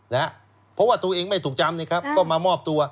เพราะว่าตัวเองไม่ถูกจำก็มามอบตัว